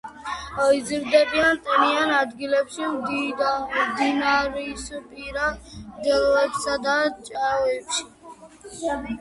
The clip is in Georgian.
იზრდებიან ტენიან ადგილებში, მდინარისპირა მდელოებსა და ჭაობებში.